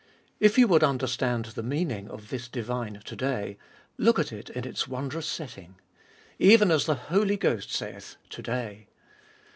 If you would understand the meaning of this divine To day, look at it in its wondrous setting. Even as the Holy Ghost saith, To day.